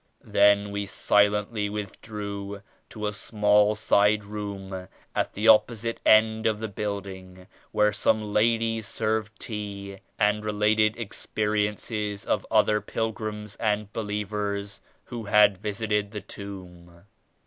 Then we silently withdrew to a small side room at the opposite end of the building where some ladies served tea and related ex periences of other pilgrims and believers who had visited the Tomb.